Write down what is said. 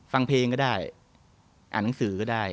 ฟังเพลงก็ได้อ่านหนังสือก็ได้